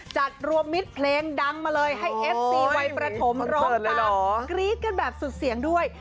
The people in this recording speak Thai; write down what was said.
จัดรวมมิตรเพลงดังมาเลยให้เอฟซีวัยประถมร้องตามกรี๊ดกันแบบสุดเสียงด้วย